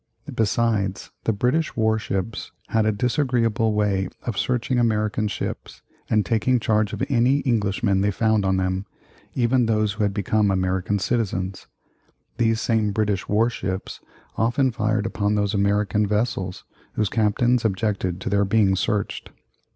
Besides, the British war ships had a disagreeable way of searching American ships and taking charge of any Englishmen they found on them, even those who had become American citizens. These same British war ships often fired upon those American vessels whose captains objected to their being searched.